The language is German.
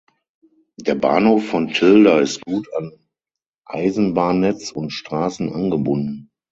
Der Bahnhof von Tilda ist gut an Eisenbahnnetz und Straßen angebunden.